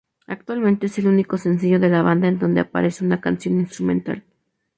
Actualmente es el único sencillo de la banda en donde aparece una canción instrumental.